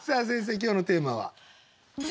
今日のテーマは？